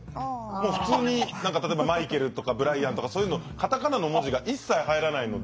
もう普通に何か例えばマイケルとかブライアンとかそういうのカタカナの文字が一切入らないので。